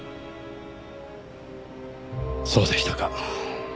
そうでしたか。